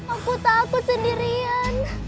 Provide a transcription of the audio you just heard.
aku takut sendirian